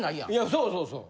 そうそうそう。